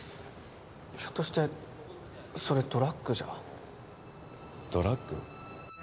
ひょっとしてそれドラッグじゃドラッグ？